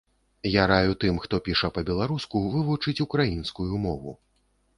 Я раю тым, хто піша па-беларуску, вывучыць украінскую мову.